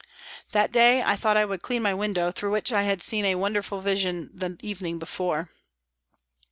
That day I thought I would clean my window, through which I had seen such a wonderful vision the evening before.